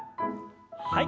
はい。